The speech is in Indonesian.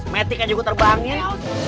matic aja gue terbangin